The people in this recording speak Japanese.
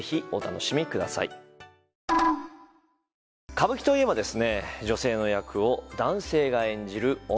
歌舞伎といえばですね